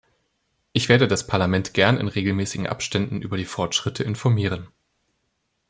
Ich werde das Parlament gern in regelmäßigen Abständen über die Fortschritte informieren.